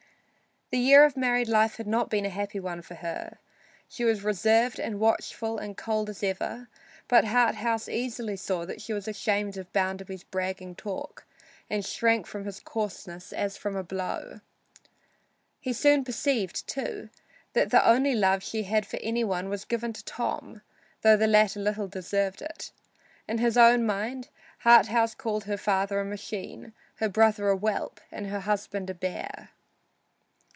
The year of married life had not been a happy one for her. She was reserved and watchful and cold as ever, but Harthouse easily saw that she was ashamed of Bounderby's bragging talk and shrank from his coarseness as from a blow. He soon perceived, too, that the only love she had for any one was given to Tom, though the latter little deserved it. In his own mind Harthouse called her father a machine, her brother a whelp and her husband a bear.